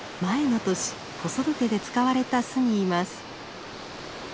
前の年子育てで使われた巣にいます。